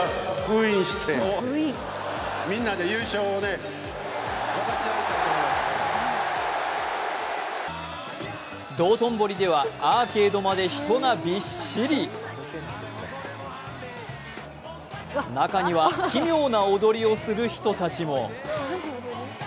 そして道頓堀ではアーケードまで人がびっしり中には奇妙な踊りをする人たちも。